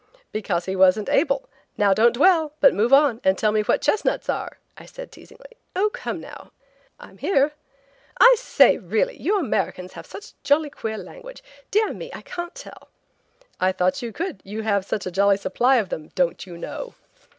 "Because he wasn't Abel. Now don't dwell, but move on and tell me what chestnuts are?" I said, teasingly. "Oh come, now–" "I'm here." "I sai, really, you Americans have such a jolly queer language. Deah me, I can't tell." "I thought you could, you have such a jolly supply of them, 'don't you know.'